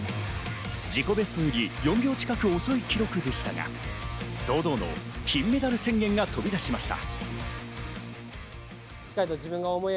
自己ベストより４秒近く遅い記録でしたが、堂々の金メダル宣言が飛び出しました。